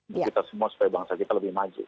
untuk kita semua supaya bangsa kita lebih maju